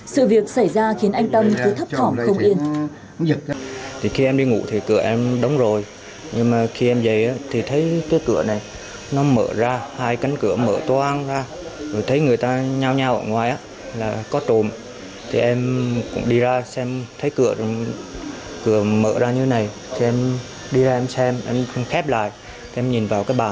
sự việc xảy ra khiến anh tâm cứ thấp thỏm không yên